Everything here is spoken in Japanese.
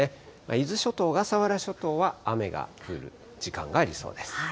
伊豆諸島、小笠原諸島は雨が降る時間がありそうです。